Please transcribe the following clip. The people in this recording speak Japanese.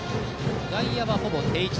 外野はほぼ定位置。